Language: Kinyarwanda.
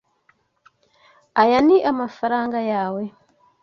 Aya ni amafaranga yawe?